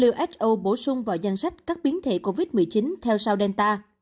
who bổ sung vào danh sách các biến thể covid một mươi chín theo south delta